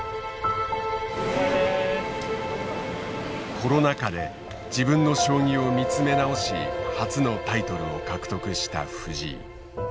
コロナ禍で自分の将棋を見つめ直し初のタイトルを獲得した藤井。